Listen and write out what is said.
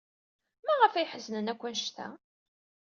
Maɣef ay ḥeznen akk anect-a?